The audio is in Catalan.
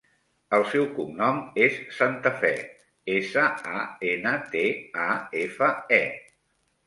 El seu cognom és Santafe: essa, a, ena, te, a, efa, e.